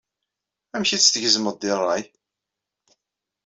Amek i tt-thezmeḍ deg rray?